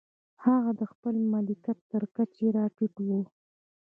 هغه د خپل ملکیت تر کچې را ټیټوو.